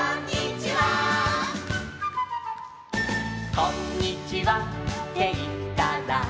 「『こんにちは』っていったら」